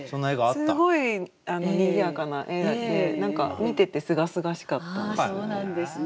すごいにぎやかな絵で何か見ててすがすがしかったんですよね。